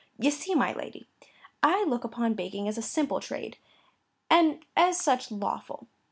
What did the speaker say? You see, my lady, I look upon baking as a simple trade, and as such lawful.